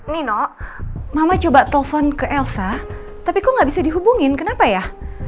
nino mama coba telepon ke elsa tapi kok nggak bisa dihubungin kenapa ya